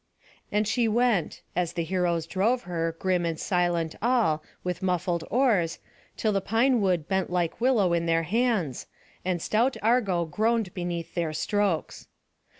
And she went, as the heroes drove her, grim and silent all, with muffled oars, till the pine wood bent like willow in their hands, and stout Argo groaned beneath their strokes.